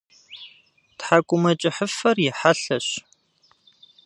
Тхьэкӏумэкӏыхьыфэр и хьэлъэщ.